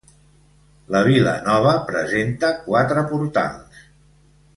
La Vila nova presenta quatre portals: